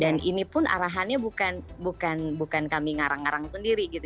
dan ini pun arahannya bukan kami ngarang ngarang sendiri gitu